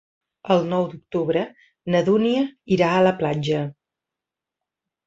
El nou d'octubre na Dúnia irà a la platja.